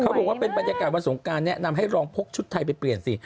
บอกว่าเป็นบรรยากาศวันสงการแนะนำให้ลองพกชุดไทยไปเปลี่ยนสิ